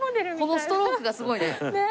このストロークがすごいね。